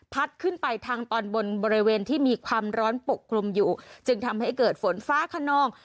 ขึ้นไปทางตอนบนบริเวณที่มีความร้อนปกคลุมอยู่จึงทำให้เกิดฝนฟ้าขนอง